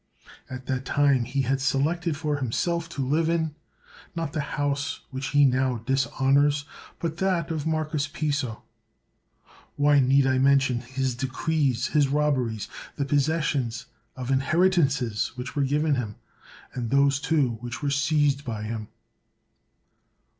At that time he had selected for him self to live in, not the house which he now dis honors, but that of Marcus Piso. Why need I mention his decrees, his robberies, the posses sions of inheritances which were given him, and those, too, which were seized by him?